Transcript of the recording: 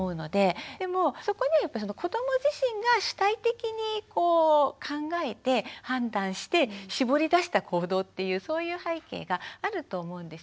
でもそこには子ども自身が主体的に考えて判断して絞りだした行動っていうそういう背景があると思うんですよね。